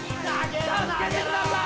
助けてください！